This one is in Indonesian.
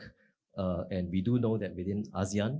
dan kami tahu bahwa dalam asean